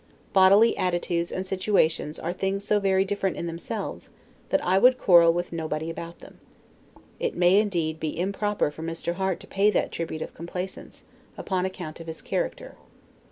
Bodily attitudes and situations are things so very indifferent in themselves, that I would quarrel with nobody about them. It may, indeed, be improper for Mr. Harte to pay that tribute of complaisance, upon account of his character.